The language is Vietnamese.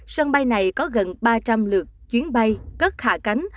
sân bay này có gần ba trăm linh lượt chuyến bay cất hạ cánh